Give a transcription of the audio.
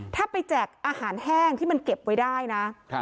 ถ้าไปแจกอาหารแห้งที่มันเก็บไว้ได้นะ